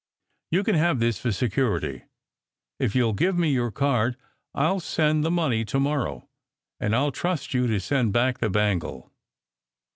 "You can have this for security. If you ll give me your card I ll send the money to morrow, and I ll trust you to send back the bangle."